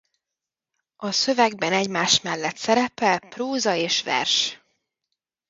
A szövegben egymás mellett szerepel próza és vers.